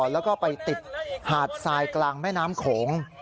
แล้วก็ไปติดหาดทรายกลางแม่น้ำโขง